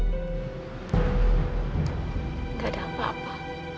gak ada apa apa